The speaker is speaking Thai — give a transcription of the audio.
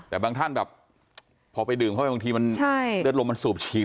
แต่บางท่านแบบพอไปดื่มเข้าไปบางทีมันเลือดลมมันสูบฉีด